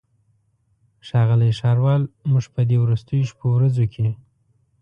ښاغلی ښاروال موږ په دې وروستیو شپو ورځو کې.